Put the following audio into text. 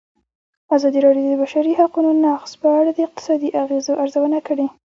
ازادي راډیو د د بشري حقونو نقض په اړه د اقتصادي اغېزو ارزونه کړې.